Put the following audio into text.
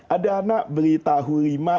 ada anak beli tahu lima